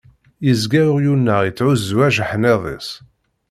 Yezga uɣyul-nneɣ itthuzzu ajeḥniḍ-is.